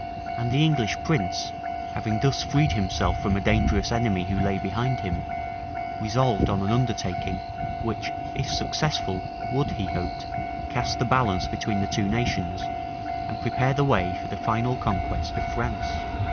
[] And the English prince, having thus freed himself from a dangerous enemy who lay behind him, resolved on an undertaking, which, if successful, would, he hoped, cast the balance between the two nations, and prepare the way for the final conquest of France.